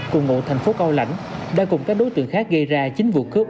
cùng ngụ thành phố cao lãnh đã cùng các đối tượng khác gây ra chín vụ cướp